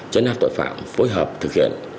chấn hạt tội phạm phù hợp thực hiện